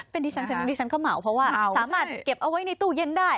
เป็นดิฉันดิฉันก็เหมาเพราะว่าสามารถเก็บเอาไว้ในตู้เย็นได้